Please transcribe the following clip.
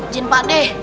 jin pak d